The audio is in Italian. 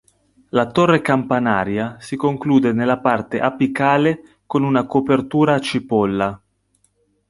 La torre campanaria si conclude nella parte apicale con una copertura a cipolla.